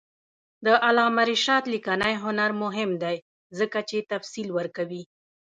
د علامه رشاد لیکنی هنر مهم دی ځکه چې تفصیل ورکوي.